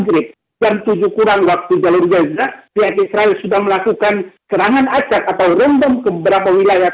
dan tujuh kurang waktu jalur gaza pihak israel sudah melakukan serangan asyik atau rendam ke beberapa wilayah